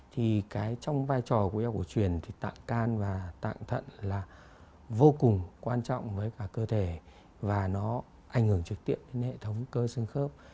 thì cái trong vai trò của y học của truyền thì tạng can và tạng thận là vô cùng quan trọng với cả cơ thể và nó ảnh hưởng trực tiếp đến hệ thống cơ sưng khớp